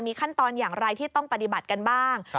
ขั้นตอนอย่างไรที่ต้องปฏิบัติกันบ้าง